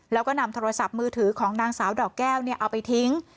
แล้วก็นำโทรศัพท์มือถือของนางสาวดอกแก้วเอาไปทิ้ง